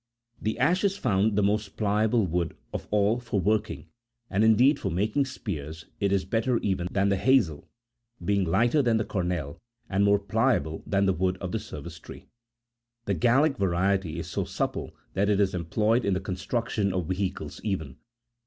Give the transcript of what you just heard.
The ash is found the most pliable wood of all for working ; and, indeed, for making49 spears it is better even than the hazel, being lighter than the cornel, and more pliable than the wood of the service tree. The Gallic variety is so supple, that it is employed in the construction of vehicles even.